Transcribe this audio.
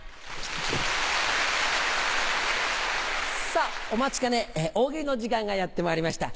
さぁお待ちかね大喜利の時間がやってまいりました。